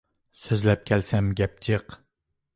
سۆزلەپ كەلسەم گەپ جىق!